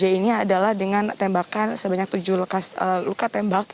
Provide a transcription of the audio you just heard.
j ini adalah dengan tembakan sebanyak tujuh luka tembak